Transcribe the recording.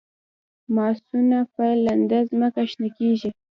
ماسونه په لنده ځمکه شنه کیږي